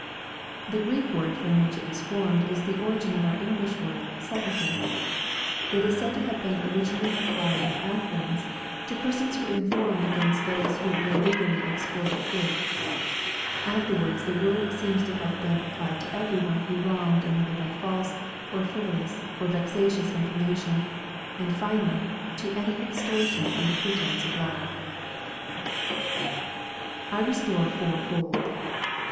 The Greek word from which it is formed is the origin of our English word " sycophant." It is said to have been originally ap^ plied at Athens, to persons who informed against those who ille gally exported figs. Afterwards the word seems to have been applied to every one who wronged another by false, or frivolous, or vexatious information, and finally, to any extortion under pre tence of law. ^~^ [I rjestore fowfold.